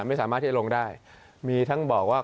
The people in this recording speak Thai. ไม่สามารถที่จะลงได้